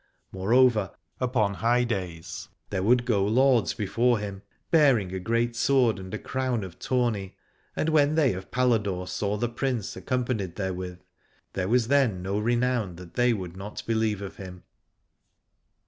Moreover upon Aladore high days there would go lords before him, bearing a great sword and a crown of tourney ; and when they of Paladore saw the Prince accompanied therewith, there was then no renown that they would not believe of him.